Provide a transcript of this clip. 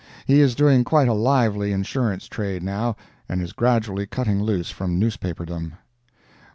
He is doing quite a lively insurance trade now, and is gradually cutting loose from newspaperdom.